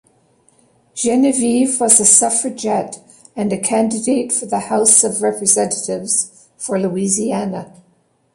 Genevieve was a suffragette and a candidate for the House of Representatives for Louisiana.